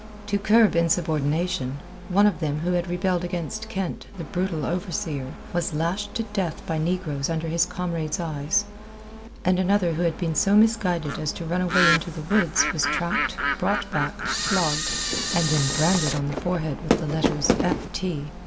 To curb insubordination, one of them who had rebelled against Kent, the brutal overseer, was lashed to death by negroes under his comrades' eyes, and another who had been so misguided as to run away into the woods was tracked, brought back, flogged, and then branded on the forehead with the letters "F. T.